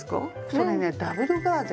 それねダブルガーゼ。